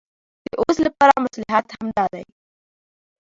د اوس لپاره مصلحت همدا دی.